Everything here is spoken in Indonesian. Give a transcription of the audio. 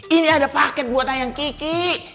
ini ada paket buat ayam kiki